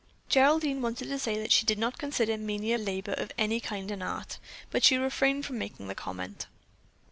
Geraldine wanted to say that she did not consider menial labor of any kind an art, but she refrained from making the comment.